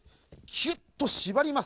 キュッとしばります。